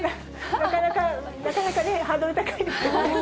なかなか、なかなかね、ハードル高いですけどね。